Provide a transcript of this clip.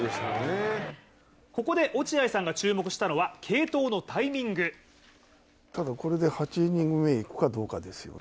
ここで落合さんが注目したのはこれで８イニング目行くかどうかです。